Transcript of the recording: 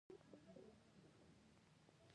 همداسې بې شعر، موسیقي او هنره هم ژوند ممکن دی.